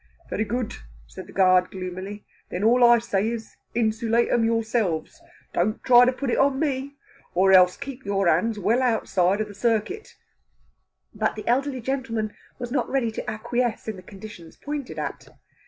"Very good!" said the guard gloomily. "Then all I say is, insoolate 'em yourselves. Don't try to put it on me! Or else keep your hands well outside of the circuit." But the elderly gentleman was not ready to acquiesce in the conditions pointed at.